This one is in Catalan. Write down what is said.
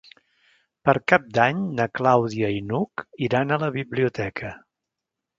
Per Cap d'Any na Clàudia i n'Hug iran a la biblioteca.